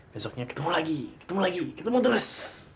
besoknya ketemu lagi ketemu lagi ketemu terus